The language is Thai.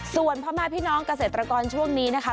ส่วนพ่อแม่พี่น้องเกษตรกรช่วงนี้นะคะ